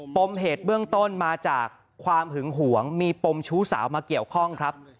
ปมเหตุเบื้องต้นมาจากความหึงหวงมีปมชู้สาวมาเกี่ยวข้องครับ